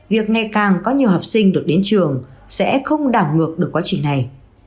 việc ngày càng có nhiều học sinh được đến trường sẽ không đảo ngược được quá trình này